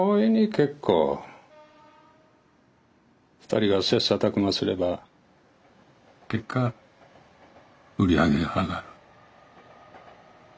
２人が切磋琢磨すれば結果売り上げが上がる。